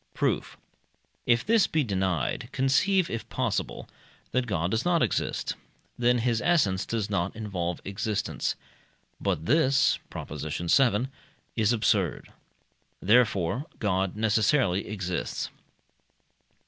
Proof. If this be denied, conceive, if possible, that God does not exist: then his essence does not involve existence. But this (Prop. vii.) is absurd. Therefore God necessarily exists.